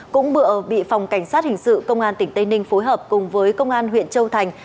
cũng bị phòng cảnh sát hình sự công an tỉnh tây ninh phối hợp cùng với công an huyện châu thành